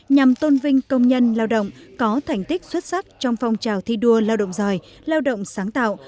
nhằm tôn vinh công nhân lao động có thành tích xuất sắc trong phong trào thi đua lao động giỏi lao động sáng tạo